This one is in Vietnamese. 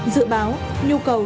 dự báo nhu cầu